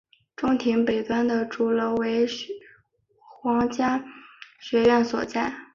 中庭北端的主楼为皇家学院所在。